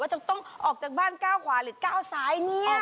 จะต้องออกจากบ้านก้าวขวาหรือก้าวซ้ายเนี่ย